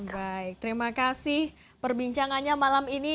baik terima kasih perbincangannya malam ini